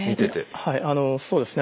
はいあのそうですね。